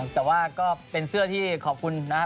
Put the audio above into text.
แต่ว่าก็เป็นเสื้อที่ขอบคุณนะครับ